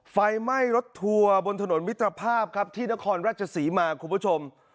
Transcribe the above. ไฟไหม้รถทัวร์บนถนนมิตรภาพครับที่นครราชศรีมาคุณผู้ชม